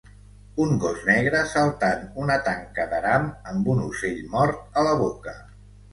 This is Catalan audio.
un gos negre saltant una tanca d'aram amb un ocell mort a la boca